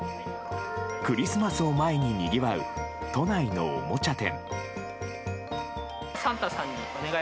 クリスマスを前ににぎわう都内のおもちゃ店。